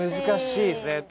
難しいですね。